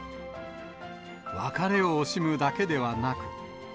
別れを惜しむだけではなく。